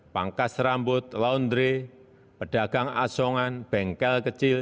pangkas rambut laundry pedagang asongan bengkel kecil